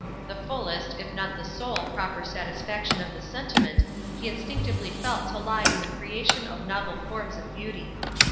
The fullest, if not the sole proper satisfaction of this sentiment he instinctively felt to lie in the creation of novel forms of beauty.